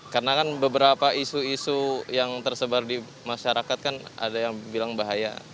karena kan beberapa isu isu yang tersebar di masyarakat kan ada yang bilang bahaya